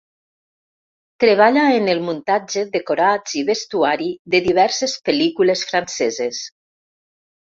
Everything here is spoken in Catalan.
Treballa en el muntatge, decorats i vestuari de diverses pel·lícules franceses.